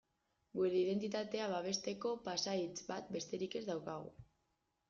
Gure identitatea babesteko pasahitz bat besterik ez daukagu.